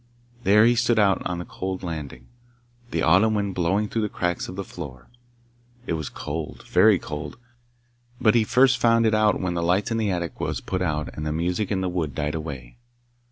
There he stood out on the cold landing, the autumn wind blowing through the cracks of the floor. It was cold very cold, but he first found it out when the light in the attic was put out and the music in the wood died away.